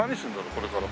これから。